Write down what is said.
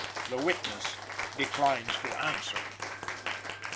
The witness "declines to answer."